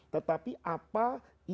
tetapi apa yang